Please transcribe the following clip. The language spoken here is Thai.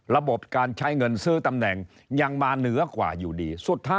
ระบบการใช้เงินซื้อตำแหน่งยังมาเหนือกว่าอยู่ดี